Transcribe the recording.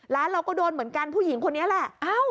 ร้านเราก็โดนเหมือนกันผู้หญิงคนนี้แหละ